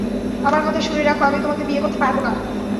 আমার কথা শুনে রাখো, আমি তোমাকে বিয়ে করতে পারব না।